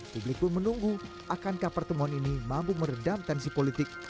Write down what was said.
publik pun menunggu akankah pertemuan ini mampu meredam tensi politik